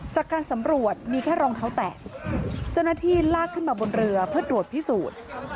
จากการสำรวจมีแค่รองเท้าแตะเจ้าหน้าที่ลากขึ้นมาบนเรือเพื่อตรวจพิสูจน์